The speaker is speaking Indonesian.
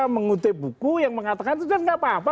mengutip buku yang mengatakan itu kan nggak apa apa